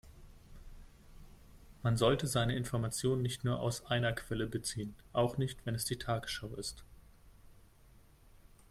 Man sollte seine Informationen nicht nur aus einer Quelle beziehen, auch nicht wenn es die Tagesschau ist.